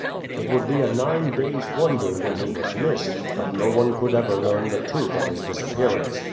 "It would be a nine days' wonder when he was missed, but no one could ever learn the truth of his disappearance.